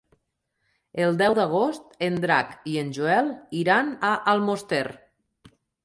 El deu d'agost en Drac i en Joel iran a Almoster.